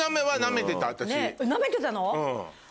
なめてたの？